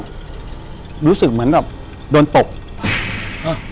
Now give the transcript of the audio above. กุมารพายคือเหมือนกับว่าเขาจะมีอิทธิฤทธิ์ที่เยอะกว่ากุมารทองธรรมดา